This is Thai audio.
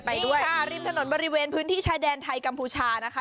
ด้วยค่ะริมถนนบริเวณพื้นที่ชายแดนไทยกัมพูชานะคะ